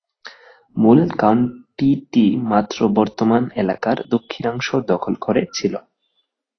মূল কাউন্টিটি মাত্র বর্তমান এলাকার দক্ষিণাংশ দখল করে ছিল।